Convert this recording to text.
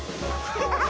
ハハハハ！